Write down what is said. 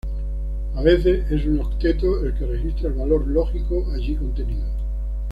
A veces, es un octeto el que registra el valor lógico allí contenido.